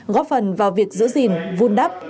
góp phần vào việc giữ gìn vun đắp